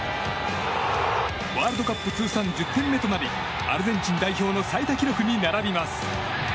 ワールドカップ通算１０点目となりアルゼンチン代表の最多記録に並びます。